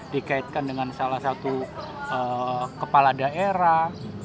dikaitkan dengan salah satu kepala daerah